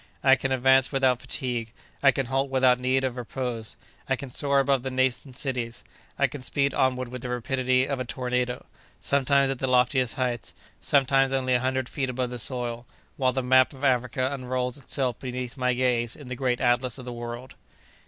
I can advance without fatigue, I can halt without need of repose! I can soar above the nascent cities! I can speed onward with the rapidity of a tornado, sometimes at the loftiest heights, sometimes only a hundred feet above the soil, while the map of Africa unrolls itself beneath my gaze in the great atlas of the world."